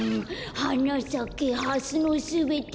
「はなさけハスのすべて」